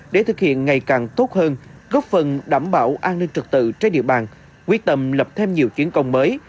để thực hiện ngày càng tốt hơn góp phần đảm bảo an ninh trật tự trên địa bàn quyết tâm lập thêm nhiều chiến công mới